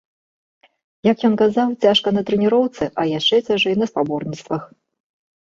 Як ён казаў, цяжка на трэніроўцы, а яшчэ цяжэй на спаборніцтвах.